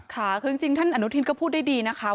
ค่ะคือจริงท่านอนุทินก็พูดได้ดีนะคะ